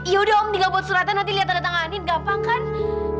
yaudah om tinggal buat suratnya nanti liat tanda tanganin gampang kan